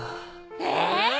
え！